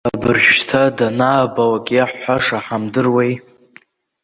Абыржәшьҭа данаабалак иаҳҳәаша ҳамдыруеи.